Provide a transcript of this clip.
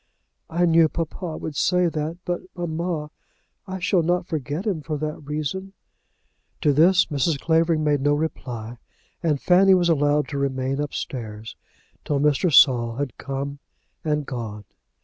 "I knew papa would say that; but, mamma, I shall not forget him for that reason." To this Mrs. Clavering made no reply, and Fanny was allowed to remain upstairs till Mr. Saul had come and gone.